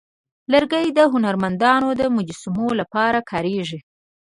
لرګی د هنرمندانو د مجسمو لپاره کارېږي.